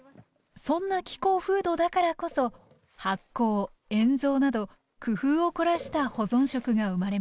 そんな気候風土だからこそ発酵塩蔵など工夫を凝らした保存食が生まれました。